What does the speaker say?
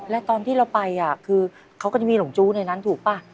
และตอนที่เราไปคือเขาก็จะมีหลงจู้ในนั้นถูกป่ะ